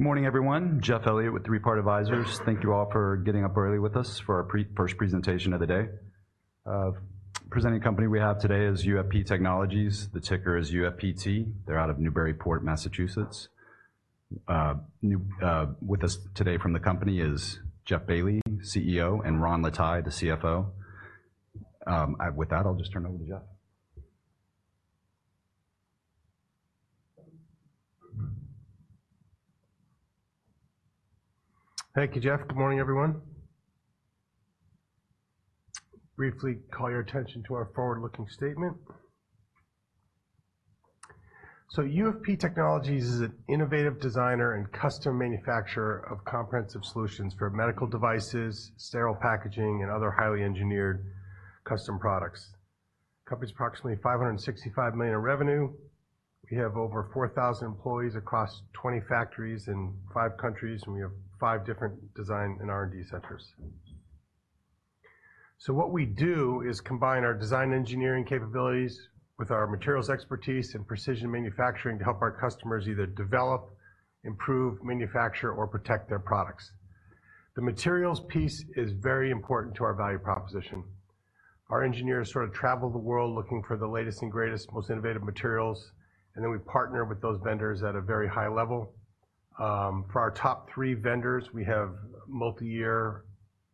Morning, everyone. Jeff Elliott with Three Part Advisors. Thank you all for getting up early with us for our first presentation of the day. Presenting company we have today is UFP Technologies. The ticker is UFPT. They're out of Newburyport, Massachusetts. With us today from the company is Jeff Bailly, CEO, and Ron Lataille, the CFO. With that, I'll just turn it over to Jeff. Thank you, Jeff. Good morning, everyone. Briefly call your attention to our forward-looking statement. So UFP Technologies is an innovative designer and custom manufacturer of comprehensive solutions for medical devices, sterile packaging, and other highly engineered custom products. The company's approximately $565 million in revenue. We have over 4,000 employees across 20 factories in five countries, and we have five different design and R&D centers. So what we do is combine our design engineering capabilities with our materials expertise and precision manufacturing to help our customers either develop, improve, manufacture, or protect their products. The materials piece is very important to our value proposition. Our engineers sort of travel the world looking for the latest and greatest, most innovative materials, and then we partner with those vendors at a very high level. For our top three vendors, we have multi-year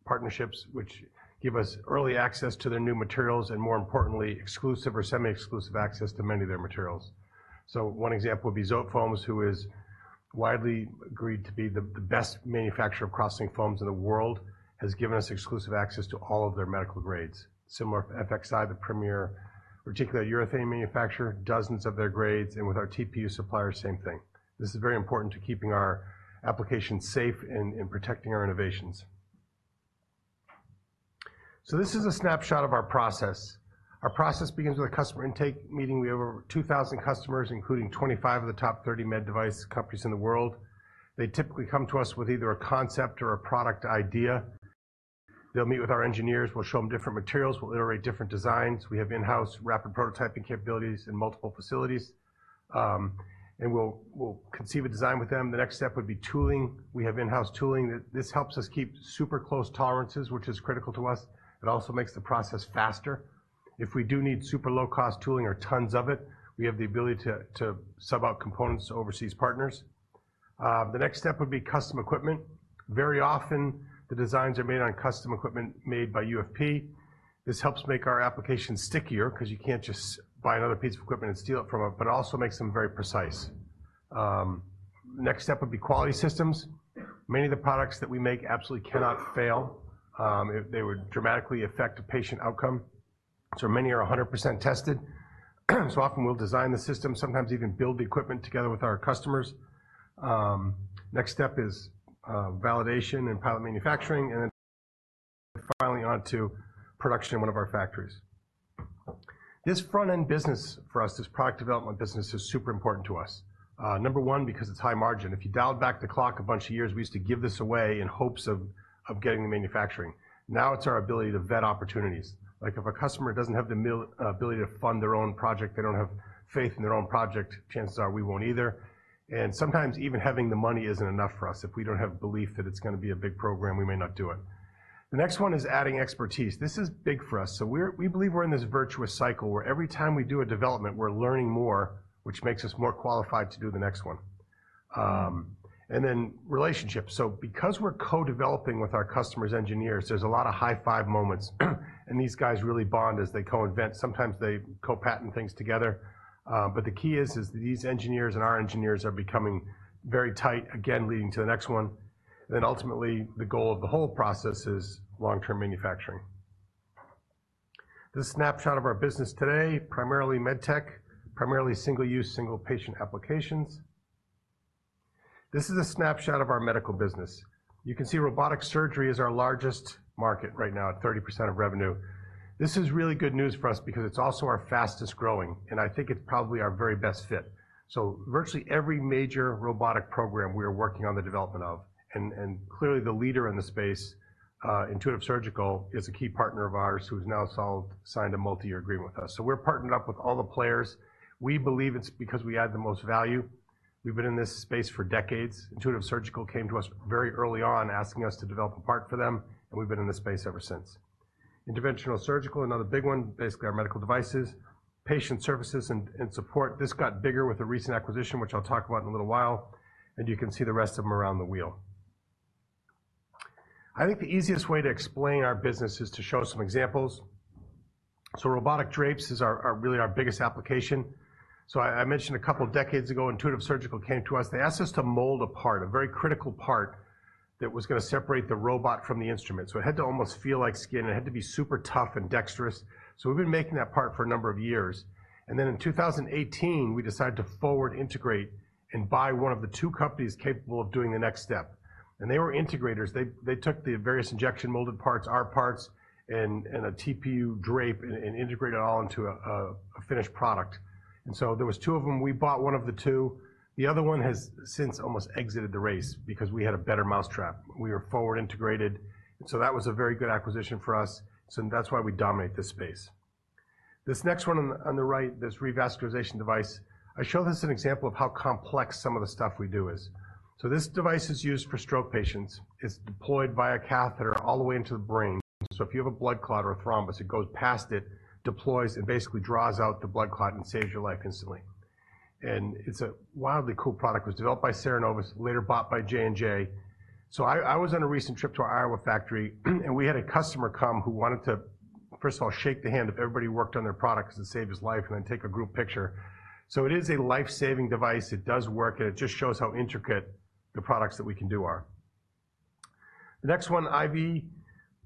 partnerships, which give us early access to their new materials, and more importantly, exclusive or semi-exclusive access to many of their materials. So one example would be Zotefoams, who is widely agreed to be the best manufacturer of cross-linked foams in the world, has given us exclusive access to all of their medical grades. Similar, FXI, the premier, particularly urethane manufacturer, dozens of their grades, and with our TPU supplier, same thing. This is very important to keeping our applications safe and protecting our innovations. So this is a snapshot of our process. Our process begins with a customer intake meeting. We have over 2,000 customers, including 25 of the top 30 med device companies in the world. They typically come to us with either a concept or a product idea. They'll meet with our engineers, we'll show them different materials, we'll iterate different designs. We have in-house rapid prototyping capabilities in multiple facilities, and we'll conceive a design with them. The next step would be tooling. We have in-house tooling. This helps us keep super close tolerances, which is critical to us. It also makes the process faster. If we do need super low-cost tooling or tons of it, we have the ability to sub out components to overseas partners. The next step would be custom equipment. Very often, the designs are made on custom equipment made by UFP. This helps make our application stickier because you can't just buy another piece of equipment and steal it from them, but also makes them very precise. Next step would be quality systems. Many of the products that we make absolutely cannot fail. They would dramatically affect a patient outcome, so many are 100% tested. So often, we'll design the system, sometimes even build the equipment together with our customers. Next step is validation and pilot manufacturing, and then finally on to production in one of our factories. This front-end business for us, this product development business, is super important to us. Number one, because it's high margin. If you dialed back the clock a bunch of years, we used to give this away in hopes of getting the manufacturing. Now, it's our ability to vet opportunities. Like, if a customer doesn't have the ability to fund their own project, they don't have faith in their own project, chances are we won't either. And sometimes even having the money isn't enough for us. If we don't have belief that it's gonna be a big program, we may not do it. The next one is adding expertise. This is big for us. So we're, we believe we're in this virtuous cycle where every time we do a development, we're learning more, which makes us more qualified to do the next one. And then relationships. So because we're co-developing with our customers' engineers, there's a lot of high-five moments, and these guys really bond as they co-invent. Sometimes they co-patent things together. But the key is these engineers and our engineers are becoming very tight, again, leading to the next one. Then ultimately, the goal of the whole process is long-term manufacturing. This is a snapshot of our business today, primarily medtech, primarily single-use, single-patient applications. This is a snapshot of our medical business. You can see robotic surgery is our largest market right now, at 30% of revenue. This is really good news for us because it's also our fastest-growing, and I think it's probably our very best fit. So virtually every major robotic program we are working on the development of, and clearly the leader in the space, Intuitive Surgical, is a key partner of ours who's now signed a multi-year agreement with us. So we're partnered up with all the players. We believe it's because we add the most value. We've been in this space for decades. Intuitive Surgical came to us very early on, asking us to develop a part for them, and we've been in this space ever since. Interventional surgical, another big one, basically our medical devices. Patient services and support, this got bigger with the recent acquisition, which I'll talk about in a little while, and you can see the rest of them around the wheel. I think the easiest way to explain our business is to show some examples. So robotic drapes is really our biggest application. So I mentioned a couple of decades ago, Intuitive Surgical came to us. They asked us to mold a part, a very critical part, that was gonna separate the robot from the instrument. So it had to almost feel like skin, and it had to be super tough and dexterous. So we've been making that part for a number of years, and then in two thousand and eighteen, we decided to forward integrate and buy one of the two companies capable of doing the next step, and they were integrators. They took the various injection molded parts, our parts, and a TPU drape and integrated it all into a finished product. And so there was two of them. We bought one of the two. The other one has since almost exited the race because we had a better mousetrap. We were forward integrated, so that was a very good acquisition for us, so that's why we dominate this space. This next one on the right, this revascularization device, I show this as an example of how complex some of the stuff we do is. So this device is used for stroke patients. It's deployed by a catheter all the way into the brain. So if you have a blood clot or a thrombus, it goes past it, deploys, and basically draws out the blood clot and saves your life instantly. It's a wildly cool product. It was developed by Cerenovus, later bought by J&J. I was on a recent trip to our Iowa factory, and we had a customer come who wanted to, first of all, shake the hand of everybody who worked on their product 'cause it saved his life, and then take a group picture. It is a life-saving device. It does work, and it just shows how intricate the products that we can do are. The next one, IV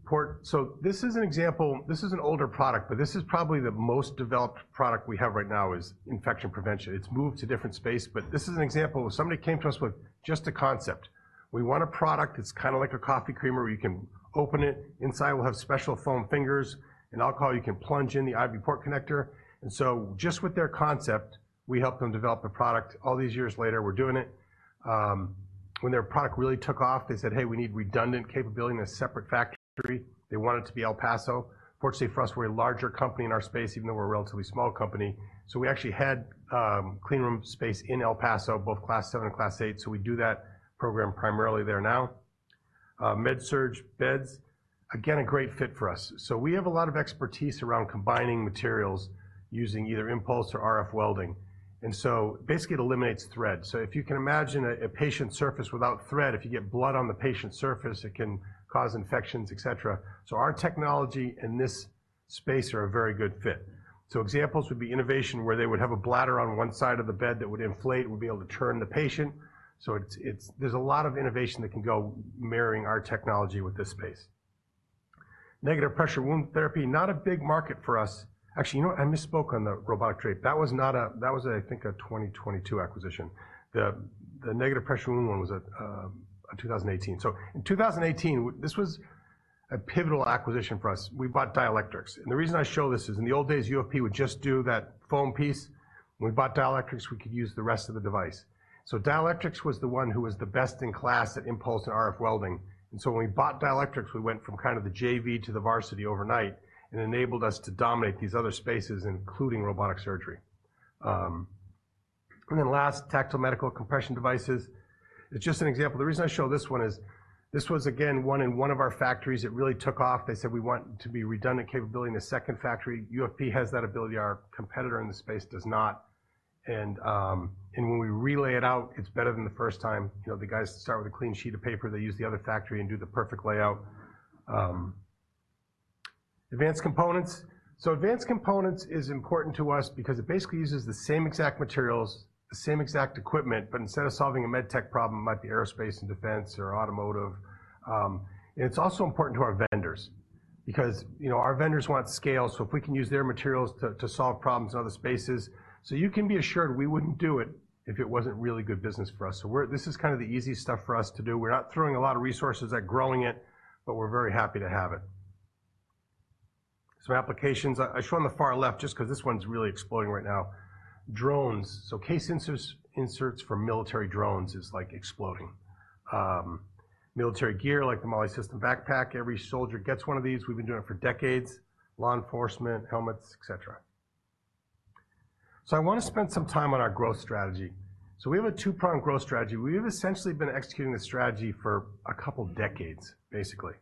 port. This is an example. This is an older product, but this is probably the most developed product we have right now, is infection prevention. It's moved to a different space, but this is an example of somebody came to us with just a concept. "We want a product that's kinda like a coffee creamer, where you can open it. Inside, we'll have special foam fingers and alcohol. You can plunge in the IV port connector," and so just with their concept, we helped them develop a product. All these years later, we're doing it. When their product really took off, they said, "Hey, we need redundant capability in a separate factory." They want it to be El Paso. Fortunately for us, we're a larger company in our space, even though we're a relatively small company, so we actually had, clean room space in El Paso, both Class 7 and Class 8, so we do that program primarily there now. Med-surg beds, again, a great fit for us. So we have a lot of expertise around combining materials using either impulse or RF welding, and so basically, it eliminates threads. So if you can imagine a patient surface without thread, if you get blood on the patient surface, it can cause infections, et cetera. So our technology and this space are a very good fit. So examples would be innovation, where they would have a bladder on one side of the bed that would inflate and would be able to turn the patient. So it's there’s a lot of innovation that can go marrying our technology with this space. Negative pressure wound therapy, not a big market for us. Actually, you know what? I misspoke on the robotic drape. That was, I think, a 2022 acquisition. The negative pressure wound one was in 2018. So in 2018, this was a pivotal acquisition for us. We bought Dielectrics. And the reason I show this is, in the old days, UFP would just do that foam piece. When we bought Dielectrics, we could use the rest of the device. So Dielectrics was the one who was the best in class at impulse and RF welding. And so when we bought Dielectrics, we went from kind of the JV to the varsity overnight, and enabled us to dominate these other spaces, including robotic surgery. And then last, Tactile Medical compression devices. It's just an example. The reason I show this one is, this was, again, one of our factories. It really took off. They said: "We want to be redundant capability in a second factory." UFP has that ability. Our competitor in the space does not. And when we relay it out, it's better than the first time. You know, the guys start with a clean sheet of paper. They use the other factory and do the perfect layout. Advanced components. So advanced components is important to us because it basically uses the same exact materials, the same exact equipment, but instead of solving a medtech problem, it might be aerospace and defense or automotive. And it's also important to our vendors because, you know, our vendors want scale, so if we can use their materials to solve problems in other spaces. So you can be assured we wouldn't do it if it wasn't really good business for us. So we're. This is kind of the easy stuff for us to do. We're not throwing a lot of resources at growing it, but we're very happy to have it. Some applications. I show on the far left just 'cause this one's really exploding right now. Drones. So case inserts, inserts for military drones is, like, exploding. Military gear, like the MOLLE system backpack, every soldier gets one of these. We've been doing it for decades. Law enforcement, helmets, et cetera. So I wanna spend some time on our growth strategy. So we have a two-pronged growth strategy. We've essentially been executing this strategy for a couple of decades, basically.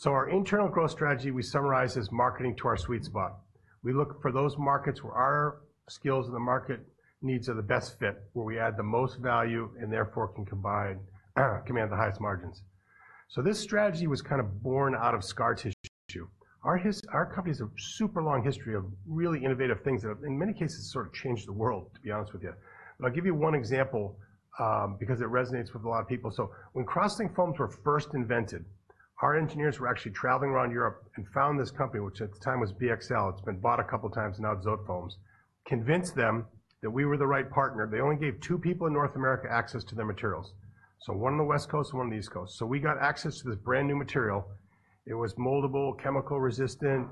So our internal growth strategy, we summarize as marketing to our sweet spot. We look for those markets where our skills and the market needs are the best fit, where we add the most value, and therefore, can combine, command the highest margins. So this strategy was kind of born out of scar tissue. Our company has a super long history of really innovative things that have, in many cases, sort of changed the world, to be honest with you. But I'll give you one example, because it resonates with a lot of people. So when cross-linked foams were first invented, our engineers were actually traveling around Europe and found this company, which at the time was BXL. It's been bought a couple of times now. Zotefoams convinced them that we were the right partner. They only gave two people in North America access to their materials, so one on the West Coast and one on the East Coast. So we got access to this brand-new material. It was moldable, chemical resistant.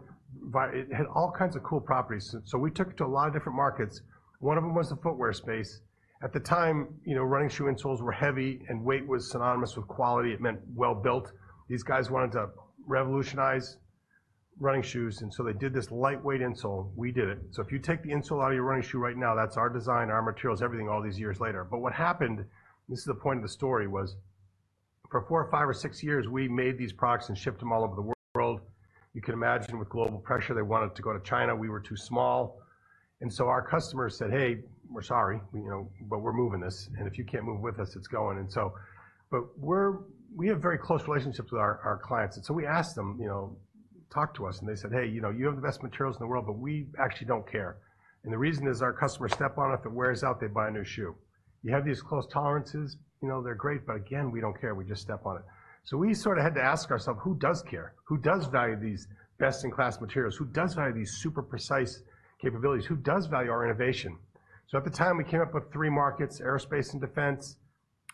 It had all kinds of cool properties, so we took it to a lot of different markets. One of them was the footwear space. At the time, you know, running shoe insoles were heavy, and weight was synonymous with quality. It meant well-built. These guys wanted to revolutionize running shoes, and so they did this lightweight insole. We did it. So if you take the insole out of your running shoe right now, that's our design, our materials, everything, all these years later. But what happened, this is the point of the story, was for four, or five, or six years, we made these products and shipped them all over the world. You can imagine with global pressure, they wanted to go to China. We were too small. And so our customers said, "Hey, we're sorry, you know, but we're moving this, and if you can't move with us, it's going." And so, but we're, we have very close relationships with our clients, and so we asked them, you know, "Talk to us." And they said, "Hey, you know, you have the best materials in the world, but we actually don't care. And the reason is, our customers step on it. If it wears out, they buy a new shoe. You have these close tolerances, you know, they're great, but again, we don't care. We just step on it." So we sort of had to ask ourselves: Who does care? Who does value these best-in-class materials? Who does value these super precise capabilities? Who does value our innovation? So at the time, we came up with three markets: aerospace and defense,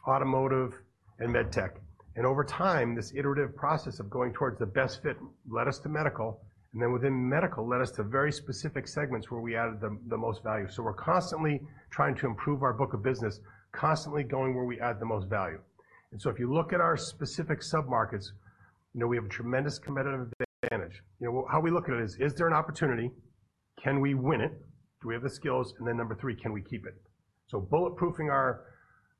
automotive, and med tech. Over time, this iterative process of going towards the best fit led us to medical, and then within medical, led us to very specific segments where we added the most value. So we're constantly trying to improve our book of business, constantly going where we add the most value. And so if you look at our specific submarkets. You know, we have a tremendous competitive advantage. You know, how we look at it is: Is there an opportunity? Can we win it? Do we have the skills? And then number three, can we keep it? So bulletproofing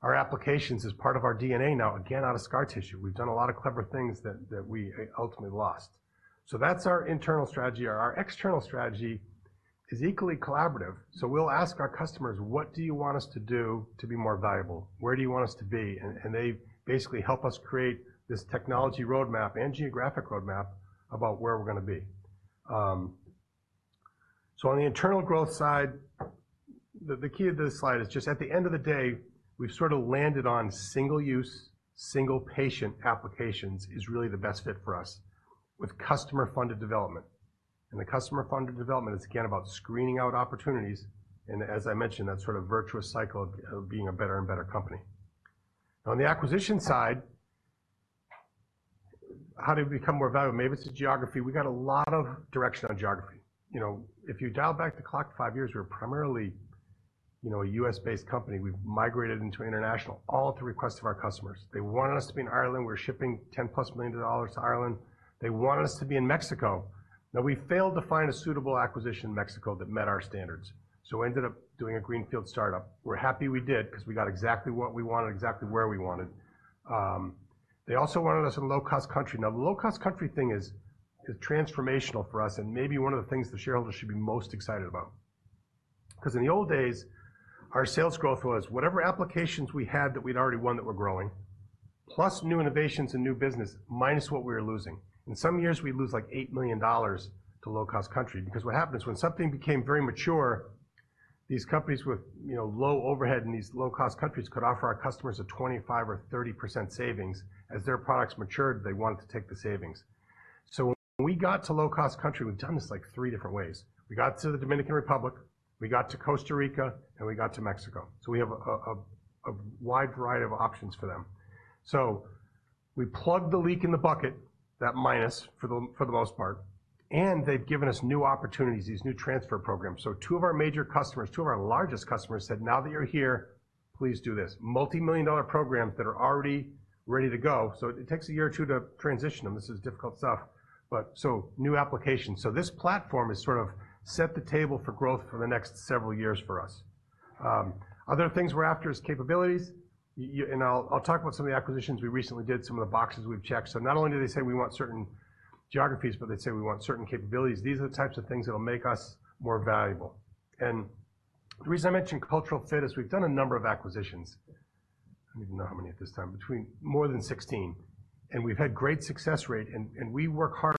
our applications is part of our DNA now, again, out of scar tissue. We've done a lot of clever things that we ultimately lost. So that's our internal strategy. Our external strategy is equally collaborative, so we'll ask our customers: What do you want us to do to be more valuable? Where do you want us to be, and they basically help us create this technology roadmap and geographic roadmap about where we're gonna be, so on the internal growth side, the key of this slide is just at the end of the day, we've sort of landed on single-use, single-patient applications is really the best fit for us, with customer-funded development, and the customer-funded development is, again, about screening out opportunities and as I mentioned, that sort of virtuous cycle of being a better and better company. On the acquisition side, how do we become more valuable? Maybe it's the geography. We got a lot of direction on geography. You know, if you dial back the clock five years, we were primarily, you know, a US-based company. We've migrated into international, all at the request of our customers. They wanted us to be in Ireland. We're shipping $10+ million to Ireland. They wanted us to be in Mexico. Now, we failed to find a suitable acquisition in Mexico that met our standards, so we ended up doing a greenfield startup. We're happy we did because we got exactly what we wanted, exactly where we wanted. They also wanted us in a low-cost country. Now, the low-cost country thing is transformational for us and maybe one of the things the shareholders should be most excited about. Because in the old days, our sales growth was whatever applications we had that we'd already won that were growing, plus new innovations and new business, minus what we were losing. In some years, we'd lose, like, $8 million to low-cost country. Because what happened is, when something became very mature, these companies with, you know, low overhead in these low-cost countries could offer our customers a 25% or 30% savings. As their products matured, they wanted to take the savings. So when we got to low-cost country, we've done this, like, three different ways. We got to the Dominican Republic, we got to Costa Rica, and we got to Mexico. So we have a wide variety of options for them. So we plugged the leak in the bucket, that minus, for the most part, and they've given us new opportunities, these new transfer programs. So two of our major customers, two of our largest customers, said, "Now that you're here, please do this." Multimillion-dollar programs that are already ready to go, so it takes a year or two to transition them. This is difficult stuff, but. So new applications. So this platform has sort of set the table for growth for the next several years for us. Other things we're after is capabilities, and I'll talk about some of the acquisitions we recently did, some of the boxes we've checked. So not only do they say we want certain geographies, but they say we want certain capabilities. These are the types of things that'll make us more valuable. The reason I mention cultural fit is we've done a number of acquisitions. I don't even know how many at this time, between more than 16, and we've had great success rate, and we work hard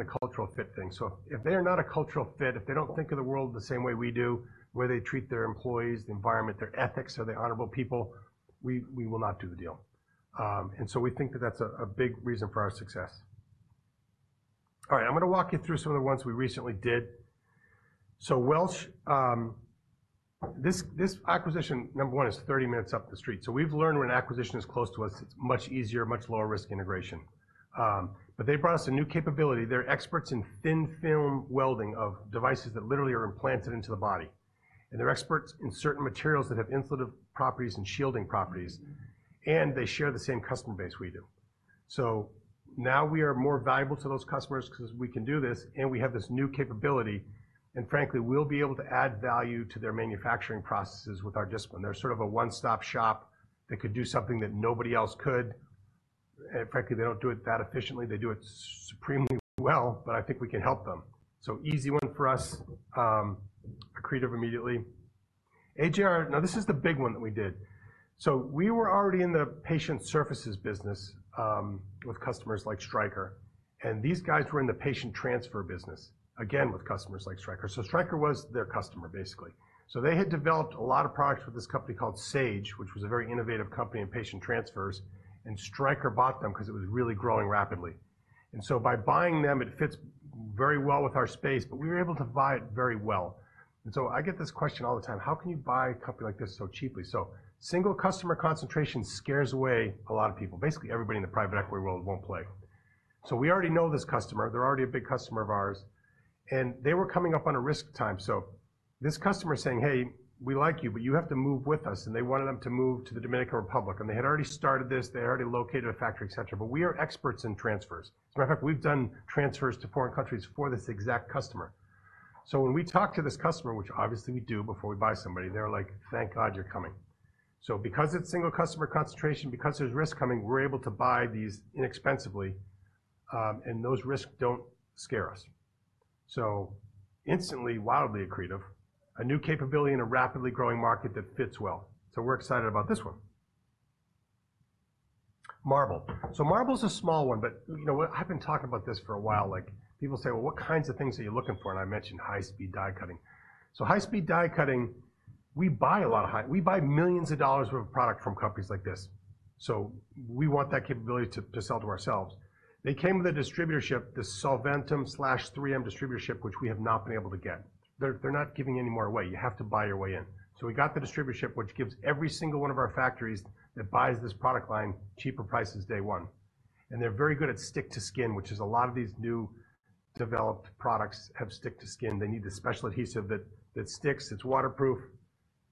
on the cultural fit thing. If they are not a cultural fit, if they don't think of the world the same way we do, the way they treat their employees, the environment, their ethics, are they honorable people? We will not do the deal. We think that that's a big reason for our success. All right, I'm gonna walk you through some of the ones we recently did. Welch, this acquisition, number one, is 30 minutes up the street. We've learned when an acquisition is close to us, it's much easier, much lower risk integration. But they brought us a new capability. They're experts in thin film welding of devices that literally are implanted into the body, and they're experts in certain materials that have insulative properties and shielding properties, and they share the same customer base we do. So now we are more valuable to those customers because we can do this, and we have this new capability, and frankly, we'll be able to add value to their manufacturing processes with our discipline. They're sort of a one-stop shop that could do something that nobody else could, and frankly, they don't do it that efficiently. They do it supremely well, but I think we can help them. So easy one for us, accretive immediately. AJR, now this is the big one that we did. So we were already in the patient services business, with customers like Stryker, and these guys were in the patient transfer business, again, with customers like Stryker. So Stryker was their customer, basically. So they had developed a lot of products with this company called Sage, which was a very innovative company in patient transfers, and Stryker bought them because it was really growing rapidly. And so by buying them, it fits very well with our space, but we were able to buy it very well. And so I get this question all the time: How can you buy a company like this so cheaply? So single customer concentration scares away a lot of people. Basically, everybody in the private equity world won't play. So we already know this customer. They're already a big customer of ours, and they were coming up on a risk time. So this customer is saying, "Hey, we like you, but you have to move with us." And they wanted them to move to the Dominican Republic, and they had already started this. They had already located a factory, et cetera. But we are experts in transfers. As a matter of fact, we've done transfers to foreign countries for this exact customer. So when we talk to this customer, which obviously we do before we buy somebody, they're like: "Thank God, you're coming." So because it's single customer concentration, because there's risk coming, we're able to buy these inexpensively, and those risks don't scare us. So instantly, wildly accretive, a new capability in a rapidly growing market that fits well. So we're excited about this one. Marble. So Marble's a small one, but, you know what? I've been talking about this for a while. Like, people say, "Well, what kinds of things are you looking for?" And I mention high-speed die cutting. So high-speed die cutting, we buy a lot of we buy millions of dollars worth of product from companies like this, so we want that capability to sell to ourselves. They came with a distributorship, this Solventum/3M distributorship, which we have not been able to get. They're not giving any more away. You have to buy your way in. So we got the distributorship, which gives every single one of our factories that buys this product line cheaper prices day one. And they're very good at stick-to-skin, which is a lot of these new developed products have stick-to-skin. They need this special adhesive that sticks, it's waterproof,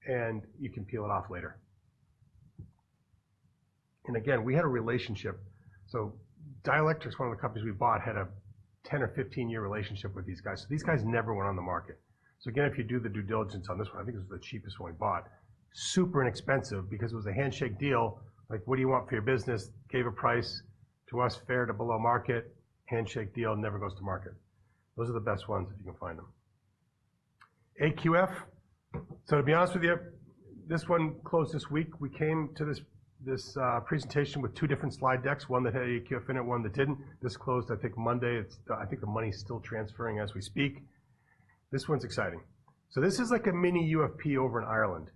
and you can peel it off later.... And again, we had a relationship. Dielectrics, one of the companies we bought, had a 10- or 15-year relationship with these guys. These guys never went on the market. Again, if you do the due diligence on this one, I think this is the cheapest one we bought. Super inexpensive because it was a handshake deal, like, "What do you want for your business?" Gave a price to us, fair to below market, handshake deal, never goes to market. Those are the best ones if you can find them. AQF, so to be honest with you, this one closed this week. We came to this presentation with two different slide decks, one that had AQF in it, one that didn't. This closed, I think, Monday. It's, I think the money is still transferring as we speak. This one's exciting. So this is like a mini UFP over in Ireland,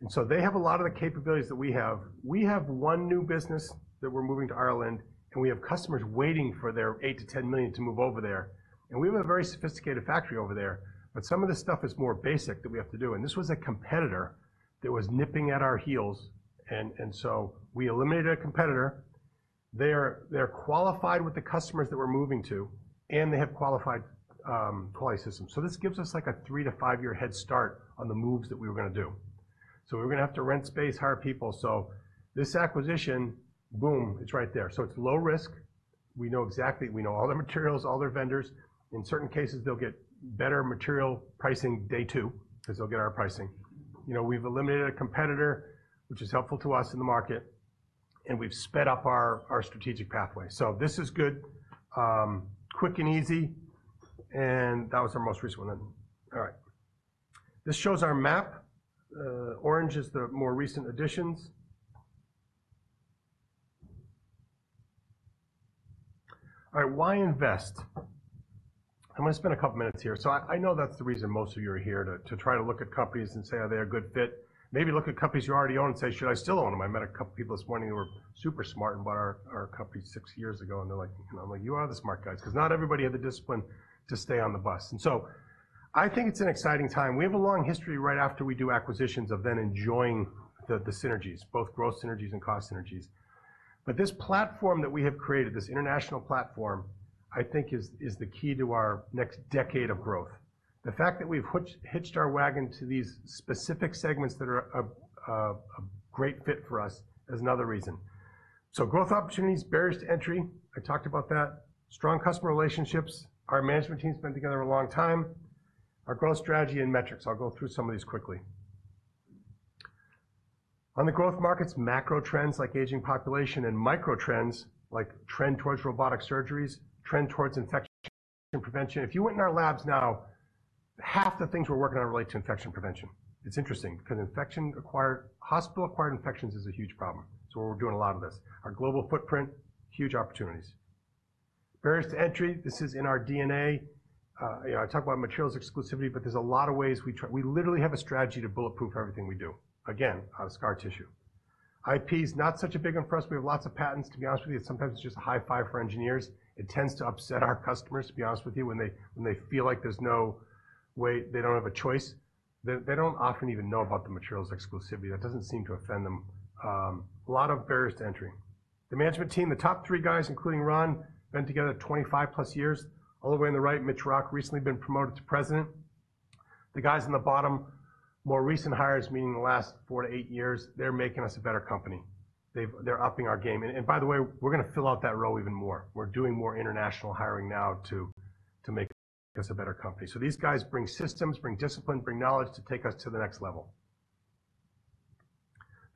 and so they have a lot of the capabilities that we have. We have one new business that we're moving to Ireland, and we have customers waiting for their $8-$10 million to move over there. And we have a very sophisticated factory over there, but some of the stuff is more basic than we have to do. And this was a competitor that was nipping at our heels, and so we eliminated a competitor. They're qualified with the customers that we're moving to, and they have qualified quality systems. So this gives us, like, a 3-5-year head start on the moves that we were gonna do. So we're gonna have to rent space, hire people. So this acquisition, boom, it's right there. So it's low risk. We know all their materials, all their vendors. In certain cases, they'll get better material pricing day two, because they'll get our pricing. You know, we've eliminated a competitor, which is helpful to us in the market, and we've sped up our strategic pathway. So this is good, quick and easy, and that was our most recent one. All right. This shows our map. Orange is the more recent additions. All right, why invest? I'm going to spend a couple of minutes here. So I know that's the reason most of you are here, to try to look at companies and say, are they a good fit? Maybe look at companies you already own and say, "Should I still own them?" I met a couple of people this morning who were super smart and bought our company six years ago, and they're like, I'm like, "You are the smart guys," because not everybody had the discipline to stay on the bus. And so I think it's an exciting time. We have a long history right after we do acquisitions of then enjoying the synergies, both growth synergies and cost synergies. But this platform that we have created, this international platform, I think, is the key to our next decade of growth. The fact that we've hitched our wagon to these specific segments that are a great fit for us is another reason. So growth opportunities, barriers to entry, I talked about that. Strong customer relationships. Our management team's been together a long time. Our growth strategy and metrics, I'll go through some of these quickly. On the growth markets, macro trends like aging population and micro trends like trend towards robotic surgeries, trend towards infection prevention. If you went in our labs now, half the things we're working on relate to infection prevention. It's interesting because hospital-acquired infections is a huge problem, so we're doing a lot of this. Our global footprint, huge opportunities. Barriers to entry, this is in our DNA. I talk about materials exclusivity, but there's a lot of ways. We literally have a strategy to bulletproof everything we do. Again, out of scar tissue. IP is not such a big emphasis. We have lots of patents, to be honest with you, sometimes it's just a high five for engineers. It tends to upset our customers, to be honest with you, when they, when they feel like there's no way, they don't have a choice. They, they don't often even know about the materials exclusivity. That doesn't seem to offend them. A lot of barriers to entry. The management team, the top three guys, including Ron, been together 25-plus years. All the way on the right, Mitch Rock, recently been promoted to President. The guys on the bottom, more recent hires, meaning the last 4-8 years, they're making us a better company. They're upping our game. And by the way, we're gonna fill out that row even more. We're doing more international hiring now to, to make us a better company. So these guys bring systems, bring discipline, bring knowledge to take us to the next level.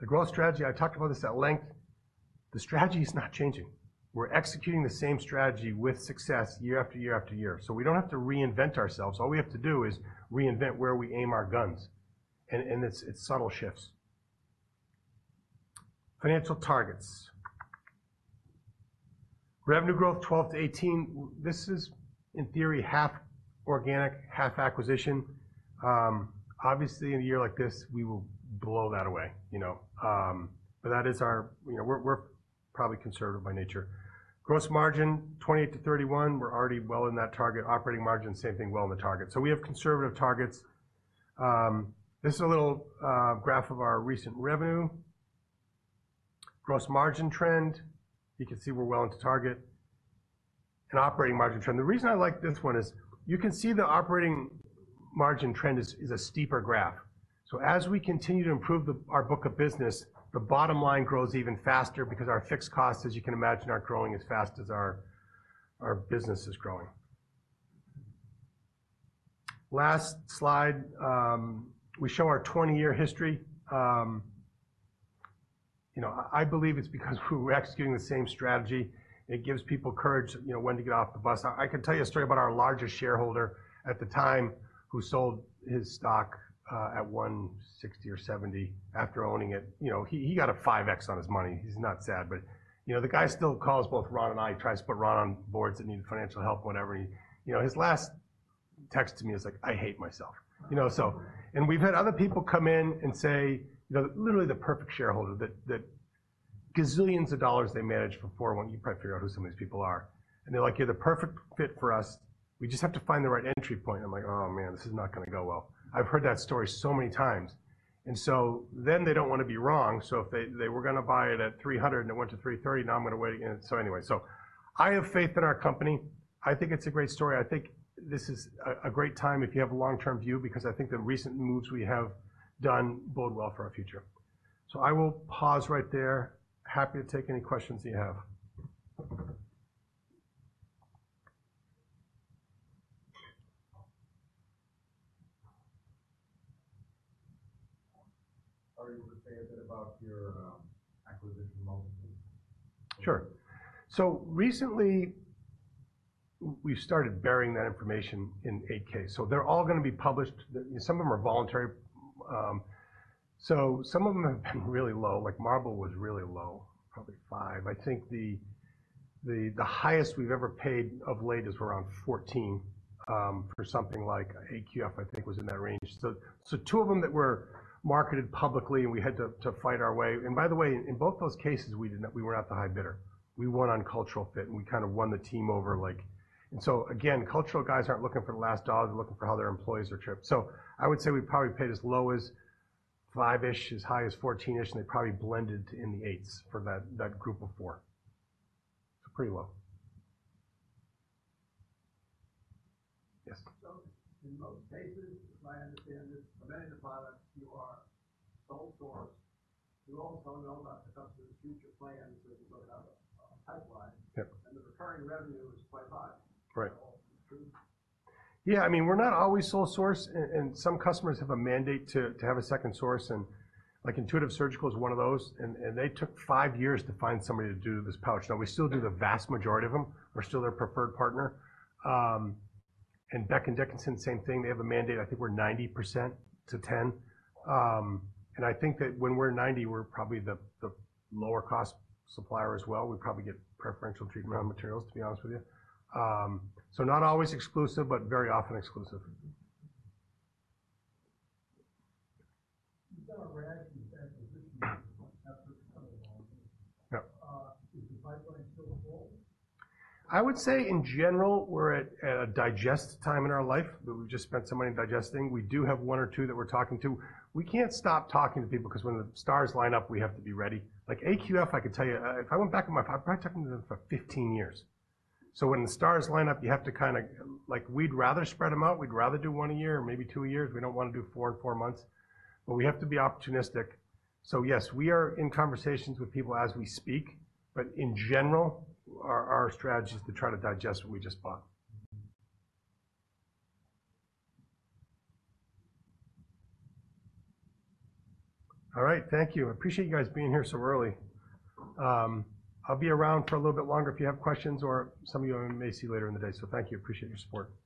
The growth strategy, I talked about this at length. The strategy is not changing. We're executing the same strategy with success year after year after year. So we don't have to reinvent ourselves. All we have to do is reinvent where we aim our guns, and it's subtle shifts. Financial targets. Revenue growth, 12%-18%. This is, in theory, half organic, half acquisition. Obviously, in a year like this, we will blow that away, you know, but that is our... You know, we're probably conservative by nature. Gross margin, 28%-31%, we're already well in that target. Operating margin, same thing, well in the target. So we have conservative targets. This is a little graph of our recent revenue. Gross margin trend, you can see we're well into target, and operating margin trend. The reason I like this one is you can see the operating margin trend is a steeper graph. So as we continue to improve our book of business, the bottom line grows even faster because our fixed costs, as you can imagine, are growing as fast as our business is growing. Last slide, we show our twenty-year history. You know, I believe it's because we're executing the same strategy, it gives people courage, you know, when to get off the bus. I can tell you a story about our largest shareholder at the time, who sold his stock at one sixty or seventy after owning it. You know, he got a five X on his money. He's not sad, but you know, the guy still calls both Ron and I, tries to put Ron on boards that need financial help, whatever. You know, his last text to me is like, "I hate myself." You know, so... And we've had other people come in and say, you know, literally the perfect shareholder, that gazillions of dollars they managed before, when you probably figure out who some of these people are, and they're like: You're the perfect fit for us. We just have to find the right entry point. I'm like, "Oh, man, this is not gonna go well." I've heard that story so many times. And so then they don't want to be wrong, so if they were gonna buy it at $300, and it went to $330, "Now I'm going to wait again." So anyway, so I have faith in our company. I think it's a great story. I think this is a great time if you have a long-term view, because I think the recent moves we have done bode well for our future. So I will pause right there. Happy to take any questions you have. ... Are you going to say a bit about your, acquisition multiple? Sure. Recently, we've started burying that information in 8-K. So they're all going to be published. Some of them are voluntary. So some of them have been really low, like Marble was really low, probably five. I think the highest we've ever paid of late is around 14, for something like AQF, I think, was in that range. So two of them that were marketed publicly, and we had to fight our way. And by the way, in both those cases, we did not. We were not the high bidder. We won on cultural fit, and we kind of won the team over, like. And so again, cultural guys aren't looking for the last dollar, they're looking for how their employees are treated. So I would say we probably paid as low as five-ish, as high as fourteen-ish, and they probably blended in the eights for that, that group of four. So pretty well. Yes. So, in most cases, my understanding of many of the products you are sole source. You also know about the company's future plans as you go down the pipeline. Yep. The recurring revenue is quite high. Right. True? Yeah, I mean, we're not always sole source, and some customers have a mandate to have a second source, and like, Intuitive Surgical is one of those, and they took five years to find somebody to do this pouch. Now, we still do the vast majority of them, we're still their preferred partner. And Becton Dickinson, same thing. They have a mandate. I think we're 90% to 10%. And I think that when we're 90, we're probably the lower cost supplier as well. We probably get preferential treatment on materials, to be honest with you. So not always exclusive, but very often exclusive. You've got a rash in position. Yep. Is the pipeline still full? I would say in general, we're at a digest time in our life, where we've just spent some money digesting. We do have one or two that we're talking to. We can't stop talking to people because when the stars line up, we have to be ready. Like AQF, I could tell you, if I went back in my... I've been talking to them for fifteen years. So when the stars line up, you have to kinda, like, we'd rather spread them out. We'd rather do one a year or maybe two a years. We don't want to do four in four months, but we have to be opportunistic. So yes, we are in conversations with people as we speak, but in general, our, our strategy is to try to digest what we just bought. All right, thank you. I appreciate you guys being here so early. I'll be around for a little bit longer if you have questions, or some of you I may see you later in the day, so thank you. Appreciate your support.